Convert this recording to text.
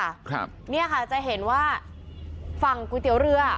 ครับเนี่ยค่ะจะเห็นว่าฝั่งก๋วยเตี๋ยวเรือ